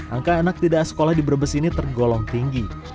angka anak tidak sekolah di brebes ini tergolong tinggi